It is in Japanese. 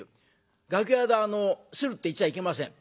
楽屋で「する」って言っちゃいけません。